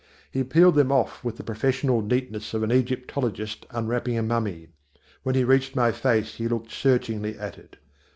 He peeled them off with the professional neatness of an Egyptologist unwrapping a mummy. When he reached my face he looked searchingly at it.